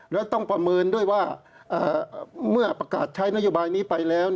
แล้วต้องประเมินด้วยว่าเมื่อประกาศใช้นโยบายนี้ไปแล้ว